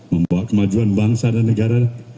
membawa kemajuan bangsa dan negara